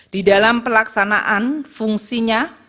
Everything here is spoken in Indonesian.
di dalam pelaksanaan fungsinya